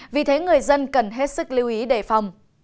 vì thế người dân cần hết sức lưu ý đề phòng